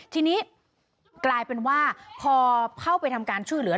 ทีนี้กลายเป็นว่าพอเข้าไปทำการช่วยเหลือ